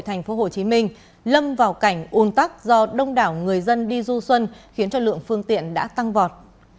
tp hcm lâm vào cảnh ôn tắc do đông đảo người dân đi du xuân khiến lượng phương tiện tăng vọt